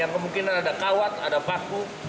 kemungkinan ada kawat ada paku